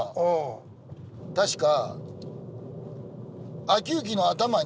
確か。